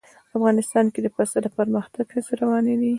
افغانستان کې د پسه د پرمختګ هڅې روانې دي.